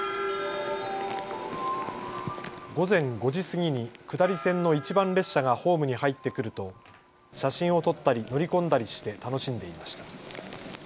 午前５時過ぎに下り線の一番列車がホームに入ってくると写真を撮ったり乗り込んだりして楽しんでいました。